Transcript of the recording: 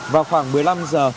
vào khoảng một mươi năm giờ